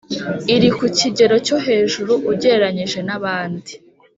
iri ku kigero cyo hejuru ugereranyije na bandi